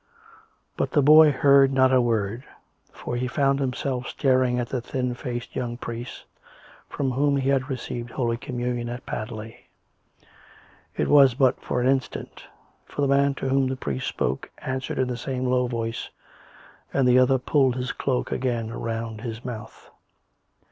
But the boy heard not a word; for he found himself staring at the thin faced young priest from whom he had received Holy Communion at Padley. It was but for an instant; for the man to whom the priest spoke answered in the same low voice, and the other pulled his cloak again round his mouth.